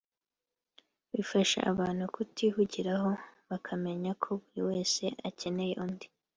bifasha abantu kutihugiraho bakamenya ko buri wese akeneye undi